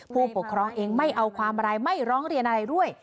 ผู้ปกครองเองไม่เอาความอะไรไม่ร้องเรียนอะไรด้วย